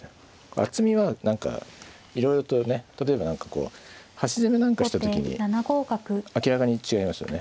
厚みは何かいろいろとね例えば何かこう端攻めなんかした時に明らかに違いますよね。